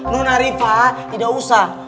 nona riva tidak usah